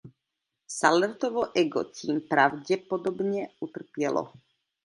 Sallaertovo ego tím pravděpodobně utrpělo.